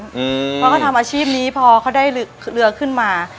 เพราะเขาทำอาชีพนี้พอเขาได้เรือขึ้นมา